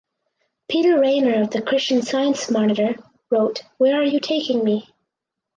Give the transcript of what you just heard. Peter Rainer of "The Christian Science Monitor" wrote ""Where Are You Taking Me?